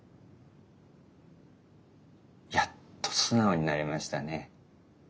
やっと素直になりましたね。